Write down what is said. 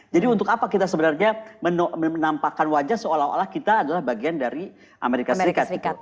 jadi untuk apa kita sebenarnya menampakkan wajah seolah olah kita adalah bagian dari amerika serikat